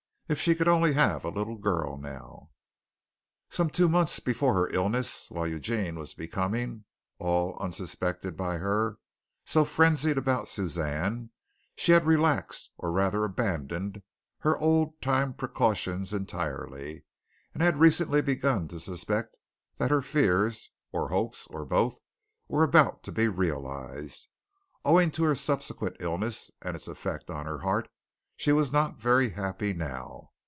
If she could only have a little girl now! Some two months before her illness, while Eugene was becoming, all unsuspected by her, so frenzied about Suzanne, she had relaxed, or rather abandoned, her old time precautions entirely, and had recently begun to suspect that her fears, or hopes, or both, were about to be realized. Owing to her subsequent illness and its effect on her heart, she was not very happy now.